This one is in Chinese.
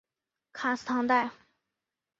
卡斯唐代。